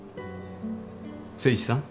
誠一さん？